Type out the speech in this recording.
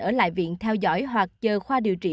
ở lại viện theo dõi hoặc chờ khoa điều trị